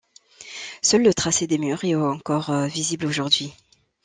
Seul le tracé des murs est encore visible aujourd'hui.